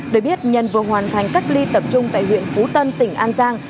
để biết nhân vừa hoàn thành cách ly tập trung tại huyện phú tân tỉnh an giang